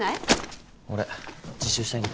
俺自習したいんで。